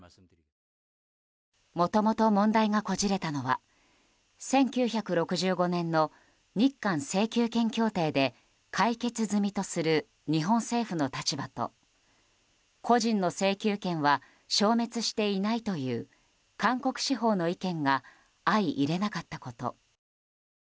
もともと問題がこじれたのは１９６５年の日韓請求権協定で解決済みとする日本政府の立場と個人の請求権は消滅していないという韓国司法の意見が相いれなかったこと。